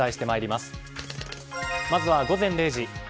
まずは午前０時。